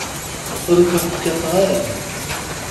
Ur kent-kkateɣ ara.